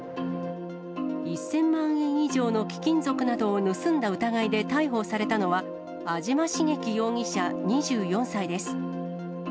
１０００万円以上の貴金属などを盗んだ疑いで逮捕されたのは、安島茂樹容疑者２４歳です。